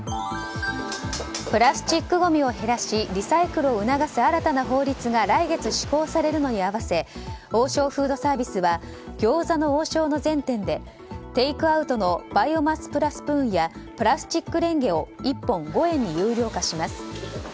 プラスチックごみを減らしリサイクルを促す新たな法律が来月施行されるのに合わせ王将フードサービスは餃子の王将の全店でテイクアウトのバイオマスプラスプーンやプラスチックレンゲを１本５円に有料化します。